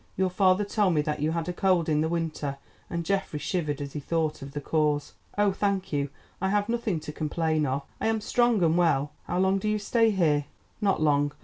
Your father told me that you had a cold in the winter," and Geoffrey shivered as he thought of the cause. "Oh, thank you, I have nothing to complain of. I am strong and well. How long do you stay here?" "Not long.